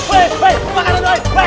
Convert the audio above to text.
buang dimana buang